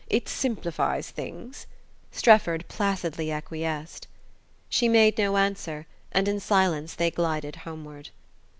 It simplifies things," Strefford placidly acquiesced. She made no answer, and in silence they glided homeward.